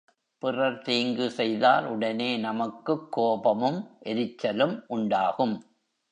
பிறர் தீங்கு செய்தால் உடனே நமக்குக் கோபமும் எரிச்சலும் உண்டாகும்.